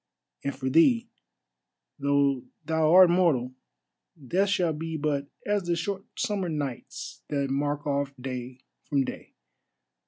And for thee, though thou art mortal, death shall be but as the short summer nights that mark off day from day.